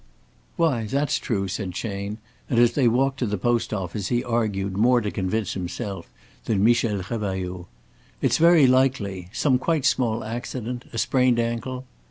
"Why, that's true," said Chayne, and as they walked to the post office he argued more to convince himself than Michel Revailloud. "It's very likely some quite small accident a sprained ankle."